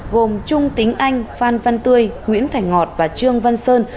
gồm trung tính anh phan văn tươi nguyễn thành ngọt và trương văn sơn